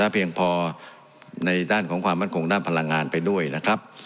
เพียงพอในด้านของความมั่นคงด้านพลังงานไปด้วยนะครับ